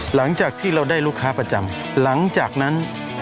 หลังจากที่เราได้ลูกค้าประจำหลังจากนั้น